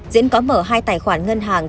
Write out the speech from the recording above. diễn có mở hai tài khoản ngân hàng